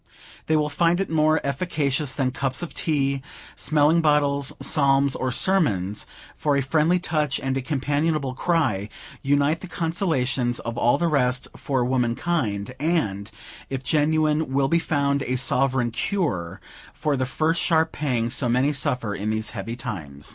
They will find it more efficacious than cups of tea, smelling bottles, psalms, or sermons; for a friendly touch and a companionable cry, unite the consolations of all the rest for womankind; and, if genuine, will be found a sovereign cure for the first sharp pang so many suffer in these heavy times.